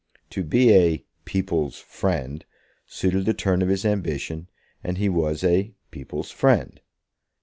To be a "people's friend" suited the turn of his ambition, and he was a "people's friend."